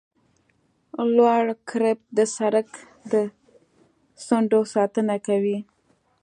لوړ کرب د سرک د څنډو ساتنه کوي